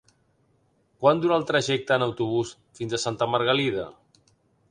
Quant dura el trajecte en autobús fins a Santa Margalida?